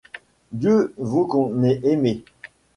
Dieu veut qu’on ait aimé.